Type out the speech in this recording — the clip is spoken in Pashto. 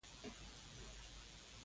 د خدای په باره کې ډېر زیات محتاط کېږي.